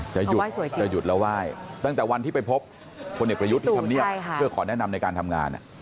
จะหยุดแล้วไหว้ตั้งแต่วันที่ไปพบพลเอกประยุทธ์ที่ทำเนียบเพื่อขอแนะนำในการทำงาน